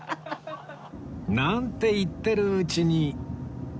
なんて言ってるうちに